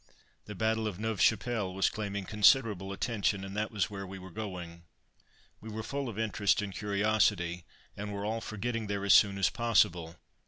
The battle of Neuve Chapelle was claiming considerable attention, and that was where we were going. We were full of interest and curiosity, and were all for getting there as soon as possible.